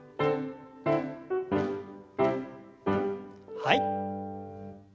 はい。